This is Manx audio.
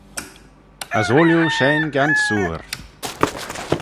As ooilley shegin gansoor.